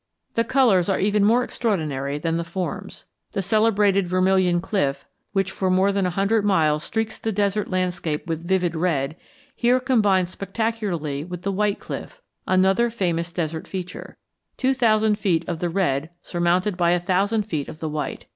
The colors are even more extraordinary than the forms. The celebrated Vermilion Cliff, which for more than a hundred miles streaks the desert landscape with vivid red, here combines spectacularly with the White Cliff, another famous desert feature two thousand feet of the red surmounted by a thousand feet of the white.